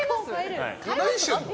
何してるの？